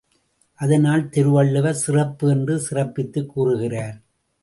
அதனால் திருவள்ளுவர் சிறப்பு என்று சிறப்பித்துக் கூறுகிறார்.